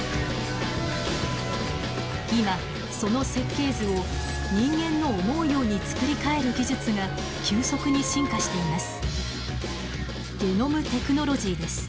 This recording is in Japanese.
今その設計図を人間の思うように作り替える技術が急速に進化しています。